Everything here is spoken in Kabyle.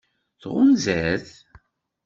Tɣunza-t?